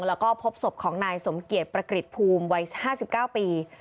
แล้วก็พบศพของนายสมเกียจประกฤษภูมิวัย๕๙ปี